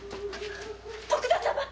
徳田様！